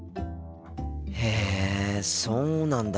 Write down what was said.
へえそうなんだ。